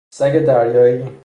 سگ دریائی